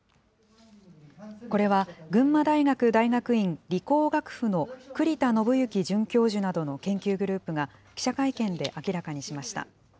これは群馬大学大学院理工学府の栗田伸幸准教授などの研究グループが記者会見で明らかにしました。